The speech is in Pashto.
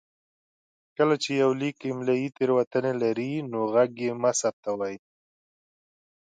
کله چې يو ليک املايي تېروتنې لري نو غږ يې مه ثبتوئ.